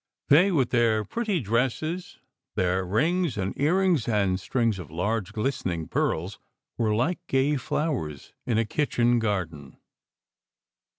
They, with their pretty dresses, their rings and earrings and strings of large, glistening pearls, were like gay flowers in a kitchen garden.